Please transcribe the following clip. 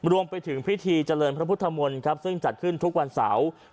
รวมไปถึงพิธีเจริญพระพุทธมนต์ครับซึ่งจัดขึ้นทุกวันเสาร์